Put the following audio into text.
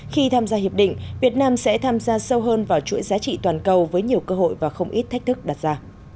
khi tham gia hiệp định việt nam sẽ tham gia sâu hơn vào chuỗi giá trị toàn cầu với nhiều cơ hội và không ít thách thức đặt ra